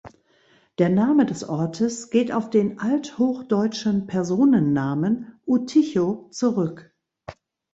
Der Name des Ortes geht auf den althochdeutschen Personennamen "Utich(o)" zurück.